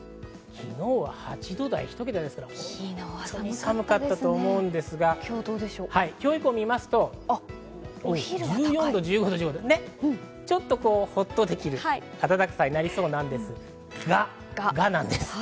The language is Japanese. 東京の最高気温、昨日は８度台で１桁ですから、本当に寒かったと思うんですが、今日以降を見ると、１４度、１６度とちょっとホッとできる暖かさになりそうなんですが、が、なんです。